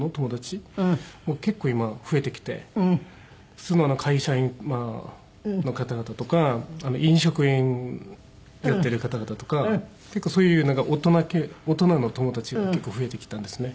普通の会社員の方々とか飲食やってる方々とか結構そういう大人大人の友達が結構増えてきたんですね。